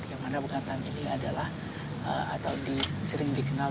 yang mana pekan ini adalah atau sering dikenal